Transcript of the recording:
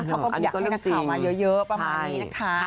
เขาก็อยากให้นักข่าวมาเยอะประมาณนี้นะคะ